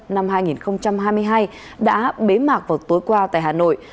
năm hai nghìn hai mươi hai đã bế mạc vào tối qua tại hà nội